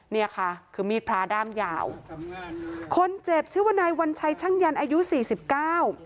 เนี่ยค่ะคือมีดพระด้ามยาวคนเจ็บชื่อว่านายวัญชัยช่างยันอายุสี่สิบเก้า